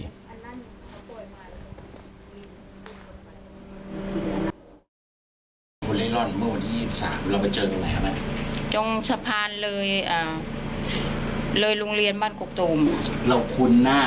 เจอไหนครับแม่จงสะพานเลยเลยโรงเรียนบ้านกกตูมแล้วคุณหน้า